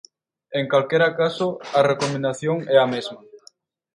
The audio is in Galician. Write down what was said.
En calquera caso, a recomendación é a mesma.